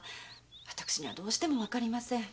私にはどうしてもわかりません。